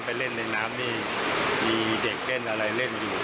ไปเล่นในน้ำนี่มีเด็กเล่นอะไรเล่นอยู่